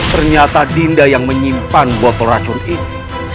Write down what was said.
ternyata dinda yang menyimpan botol racun ini